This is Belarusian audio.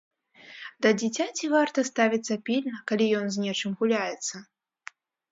Да дзіцяці варта ставіцца пільна, калі ён з нечым гуляецца.